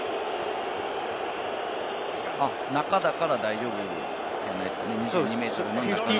中だから大丈夫じゃないですかね。